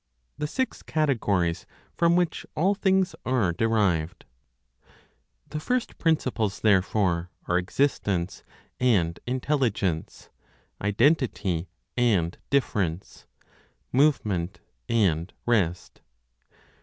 THE SIX CATEGORIES FROM WHICH ALL THINGS ARE DERIVED. The first principles, therefore, are existence and intelligence, identity and difference, movement and rest.